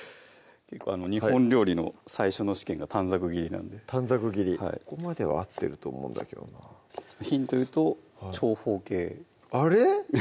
日本料理の最初の試験が短冊切りなんで短冊切りここまでは合ってると思うんだけどなヒント言うと長方形あれ？